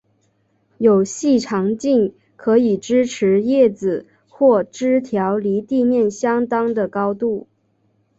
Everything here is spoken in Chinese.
有细长茎可以支持叶子或枝条离地面相当的高度。